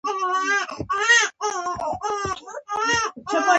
هغه تیمورشاه ته بلنه ورکړې وه.